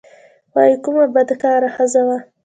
وايي کومه بدکاره ښځه وه.